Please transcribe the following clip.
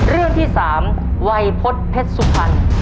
เรื่องที่๓วัยพฤษเพชรสุพรรณ